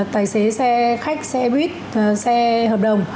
tài xế xe khách xe buýt xe hợp đồng